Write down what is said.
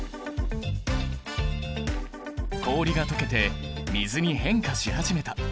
氷がとけて水に変化し始めた。